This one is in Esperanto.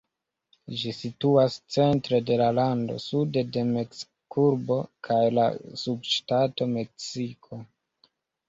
Ĝi situas centre de la lando, sude de Meksikurbo kaj la subŝtato Meksiko.